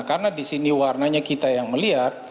karena di sini warnanya kita yang melihat